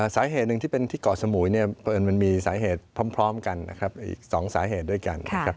สาเหตุหนึ่งที่เป็นที่เกาะสมุยมันมีสาเหตุพร้อมกันอีกสองสาเหตุด้วยกัน